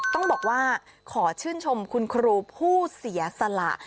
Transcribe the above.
ต้องบอกว่าขอชื่นชมคุณครูผู้เสียสละ